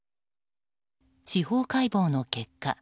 司法解剖の結果